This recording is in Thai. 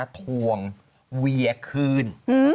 ทวงเวียคืน